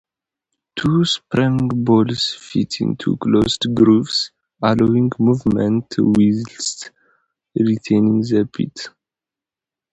Two sprung balls fit into closed grooves, allowing movement whilst retaining the bit.